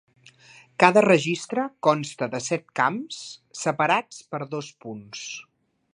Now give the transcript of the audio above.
Cada registre consta de set camps separats per dos punts.